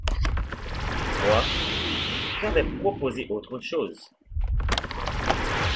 Moi, j’avais proposé autre chose.